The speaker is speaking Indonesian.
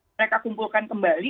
mereka kumpulkan kembali